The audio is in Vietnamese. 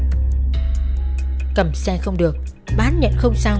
cầm xe không được bán nhẫn không xong hắn đã phải quay về đi xe tại bãi xe bệnh viện đa khoa tỉnh hòa bình